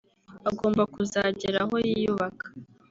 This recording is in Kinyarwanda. Agomba kuzagera aho yiyubaka